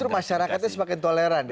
justru masyarakatnya semakin toleran